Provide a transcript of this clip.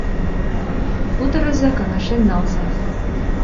— Кутырыза, каҥашен налза.